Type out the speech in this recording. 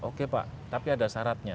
oke pak tapi ada syaratnya